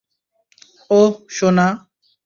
অহ, সোনা।